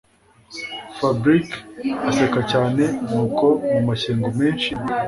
Fabric aseka cyane nuko mu mashyengo menshi